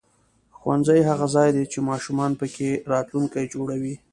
ښوونځی هغه ځای دی چې ماشومان پکې راتلونکی جوړوي